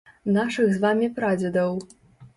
Нашых з вамі прадзедаў.